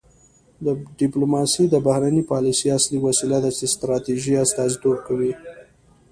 ډیپلوماسي د بهرنۍ پالیسۍ اصلي وسیله ده چې ستراتیژیو استازیتوب کوي